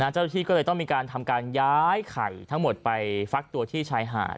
เจ้าหน้าที่ก็เลยต้องมีการทำการย้ายไข่ทั้งหมดไปฟักตัวที่ชายหาด